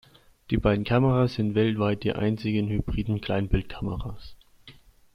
Die beiden Kameras sind weltweit die einzigen hybriden Kleinbildkameras.